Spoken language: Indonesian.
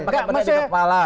pakai petek di kepala